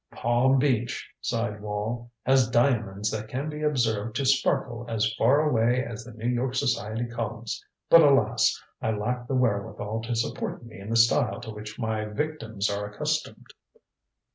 "Palm Beach," sighed Wall, "has diamonds that can be observed to sparkle as far away as the New York society columns. But alas, I lack the wherewithal to support me in the style to which my victims are accustomed."